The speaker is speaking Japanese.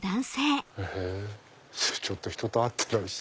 ちょっと人と会ってないし。